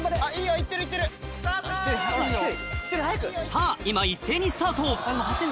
さぁ今一斉にスタート